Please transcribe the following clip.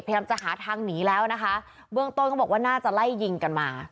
พยายามจะหาทางหนีแล้วนะคะเบื้องต้นเขาบอกว่าน่าจะไล่ยิงกันมา